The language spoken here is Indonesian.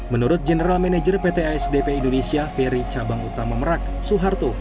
menurut general manager pt asdp indonesia ferry cabang utama merak soeharto